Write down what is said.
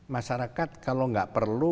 masyarakat kalau tidak perlu